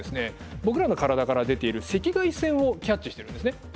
僕らの体から出ている赤外線をキャッチしてるんですね。